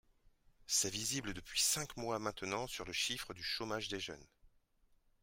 C’est visible depuis cinq mois maintenant sur le chiffre du chômage des jeunes.